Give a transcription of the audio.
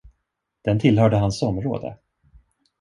Den tillhörde hans område.